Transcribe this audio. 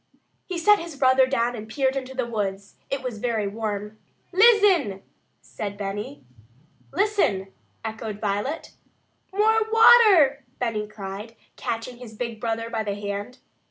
He set his brother down and peered into the woods. It was very warm. "Lizzen!" said Benny. "Listen!" echoed Violet. "More water!" Benny cried, catching his big brother by the hand.